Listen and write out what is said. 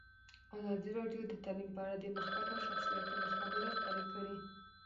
ازادي راډیو د تعلیم په اړه د مخکښو شخصیتونو خبرې خپرې کړي.